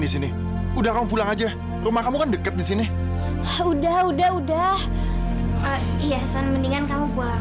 di sini udah kamu pulang aja rumah kamu kan deket di sini udah udah udah hiasan mendingan kamu pulang